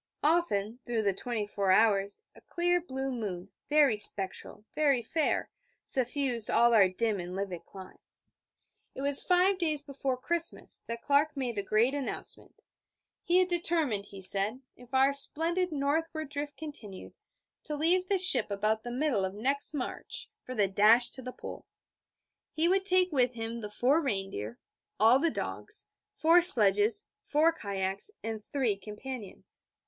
Often, through the twenty four hours, a clear blue moon, very spectral, very fair, suffused all our dim and livid clime. It was five days before Christmas that Clark made the great announcement: he had determined, he said, if our splendid northward drift continued, to leave the ship about the middle of next March for the dash to the Pole. He would take with him the four reindeer, all the dogs, four sledges, four kayaks, and three companions.